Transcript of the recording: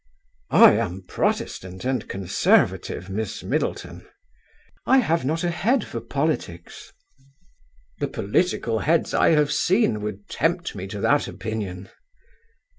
"I am Protestant and Conservative, Miss Middleton." "I have not a head for politics." "The political heads I have seen would tempt me to that opinion."